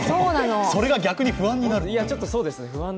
それが逆に不安になる。